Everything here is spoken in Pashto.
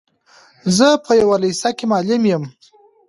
زه په يوه لېسه کي معلم يم.